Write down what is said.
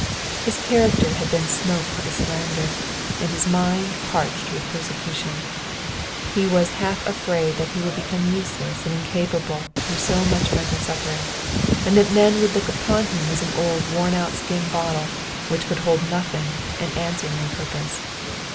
His character had been smoked with slander, and his mind parched with persecution ; he was half afraid that he would become useless and incapable through so much mental suffering, and that men would look upon him as an old worn out skin bottle, which could hold nothing and answer no purpose.